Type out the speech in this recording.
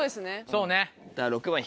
そうね。